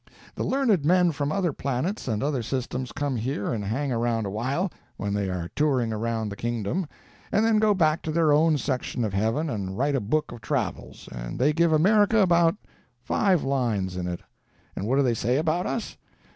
The learned men from other planets and other systems come here and hang around a while, when they are touring around the Kingdom, and then go back to their own section of heaven and write a book of travels, and they give America about five lines in it. And what do they say about us?